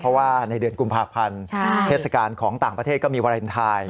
เพราะว่าในเดือนกุมภาพันธ์เทศกาลของต่างประเทศก็มีวาเลนไทย